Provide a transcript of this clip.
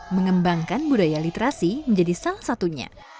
mengembangkan budaya literasi menjadi salah satunya